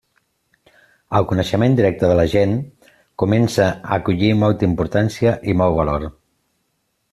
El coneixement directe de la gent comença acollir molta importància i molt valor.